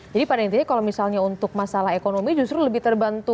jadi pada intinya kalau misalnya untuk masalah ekonomi justru lebih terbantu